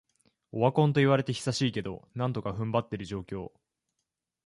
オワコンと言われて久しいけど、なんとか踏ん張ってる状況